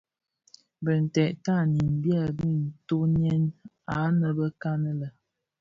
Bintèd tanin byèbi tyonèn anëbekan lè.